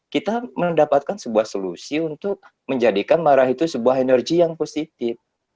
kita mendapatkan sebuah solusi untuk menjadikan marah itu sebuah energi yang positif